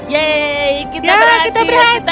yeay kita berhasil